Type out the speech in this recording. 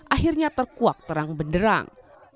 akhirnya terkuak terang benderang